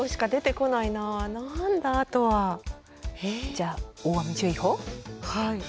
じゃあ大雨注意報？